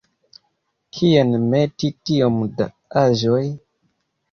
Kien meti tiom da aĵoj?